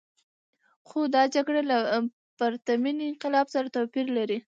خو دا جګړې له پرتمین انقلاب سره توپیر لري.